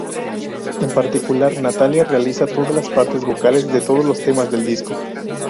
En particular Natalia realiza todas las partes vocales de todos los temas del disco.